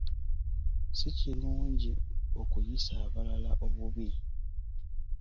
Si kirungi okuyisa abalala obubi.